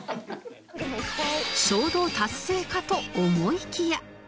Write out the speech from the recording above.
衝動達成かと思いきや